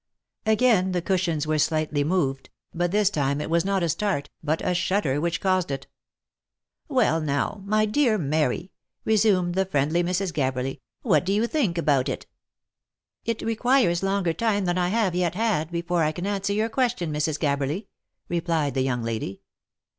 Again the cushions were slightly moved, but this time it was not a start, but a shudder which caused it. " Well now, my dear Mary !" resumed the friendly Mrs. Gab berly ;" what do you think about it?" " It requires longer time than I have yet had, before I can an swer your question, Mrs. Gabberly," replied the young lady.